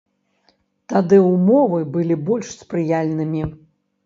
Тады ўмовы былі больш спрыяльнымі?